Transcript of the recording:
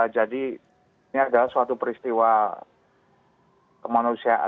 jadi ini adalah suatu peristiwa kemanusiaan